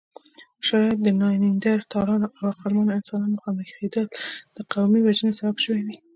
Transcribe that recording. شاید د نیاندرتالانو او عقلمنو انسانانو مخامخېدل د قومي وژنې سبب شوې وي.